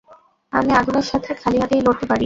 আমি আগুনের সাথে খালি হাতেই লড়তে পারি।